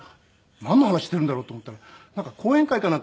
なんの話してるんだろうって思ったらなんか講演会かなんか。